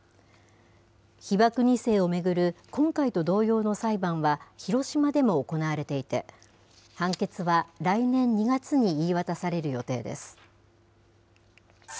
被爆２世を巡る今回と同様の裁判は広島でも行われていて、判決は来年２月に言い渡される予定です。